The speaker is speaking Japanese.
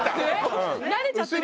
慣れちゃってるから。